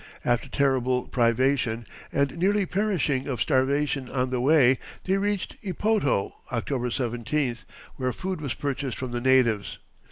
After terrible privation, and nearly perishing of starvation on the way, they reached Ipoto, October 17th, where food was purchased from the natives.